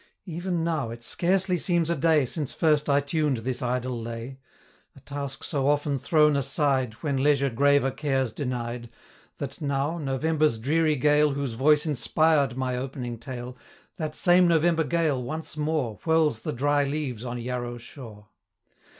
Even now it scarcely seems a day, Since first I tuned this idle lay; A task so often' thrown aside, When leisure graver cares denied, 30 That now, November's dreary gale, Whose voice inspired my opening tale, That same November gale once more Whirls the dry leaves on Yarrow shore.